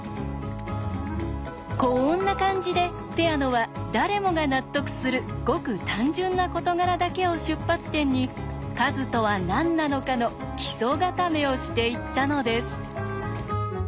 こんな感じでペアノは誰もが納得するごく単純な事柄だけを出発点に「数」とは何なのかの基礎固めをしていったのです。